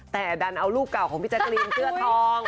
แต่ดันเอารูปเก่าของพี่แจ๊กรีนเสื้อทอง